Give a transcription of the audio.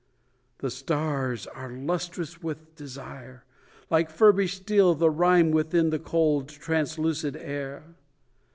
The stars are lustrous with desire; Like furbished steel the rime Within the cold, translucid air.